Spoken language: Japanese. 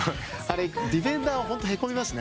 ディフェンダーはへこみますね。